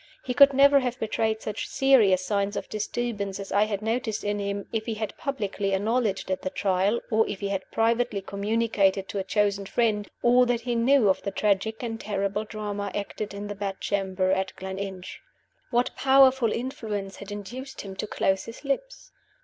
He could never have betrayed such serious signs of disturbance as I had noticed in him, if he had publicly acknowledged at the Trial, or if he had privately communicated to any chosen friend, all that he knew of the tragic and terrible drama acted in the bedchamber at Gleninch. What powerful influence had induced him to close his lips?